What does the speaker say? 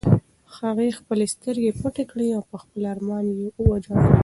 هغې خپلې سترګې پټې کړې او په خپل ارمان یې وژړل.